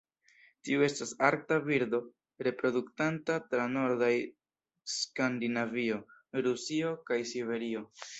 Tiu estas arkta birdo, reproduktanta tra nordaj Skandinavio, Rusio kaj Siberio.